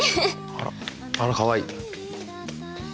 あらあらかわいい。